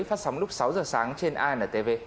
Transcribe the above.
phát sóng lúc sáu h sáng trên antv